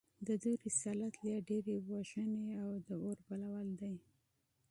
د دوی رسالت لا ډېرې وژنې او اوربلول دي